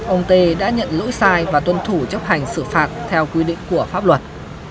ông tê đã nhận lỗi sai và tuân thủ chấp hành xử phạt theo quy định của pháp luật